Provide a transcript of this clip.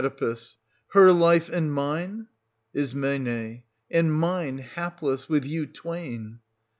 Her life and mine ? Is. And mine, hapless, with you twain.